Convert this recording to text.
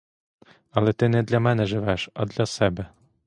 Але ти не для мене живеш, а для себе.